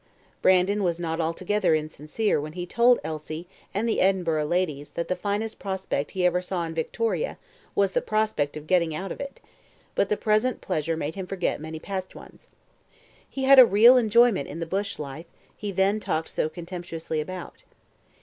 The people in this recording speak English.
Brandon was not altogether insincere when he told Elsie and the Edinburgh ladies that the finest prospect he ever saw in Victoria was the prospect of getting out of it, but the present pleasure made him forget many past ones. He had a real enjoyment in the bush life he then talked so contemptuously about.